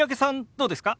どうですか？